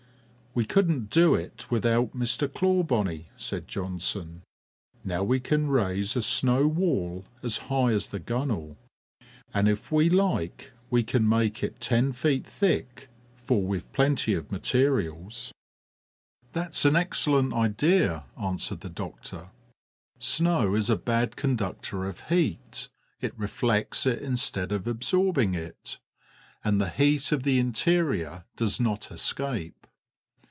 "We couldn't do without it, Mr. Clawbonny," said Johnson. "Now we can raise a snow wall as high as the gunwale, and if we like we can make it ten feet thick, for we've plenty of materials." "That's an excellent idea," answered the doctor. "Snow is a bad conductor of heat; it reflects it instead of absorbing it, and the heat of the interior does not escape."